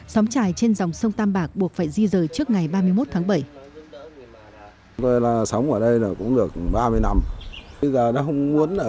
xóm trài trên dòng sông tam bạc buộc phải di rời trước ngày ba mươi một tháng bảy